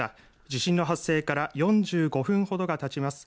地震の発生から４５分ほどがたちます。